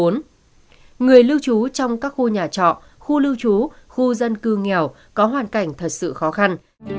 người lưu trú trong các khu nhà trọ khu lưu trú khu dân cư nghèo có hoàn cảnh thật sự khó khăn